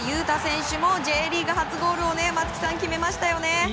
汰選手もＪリーグ初ゴールを松木さん、決めましたね。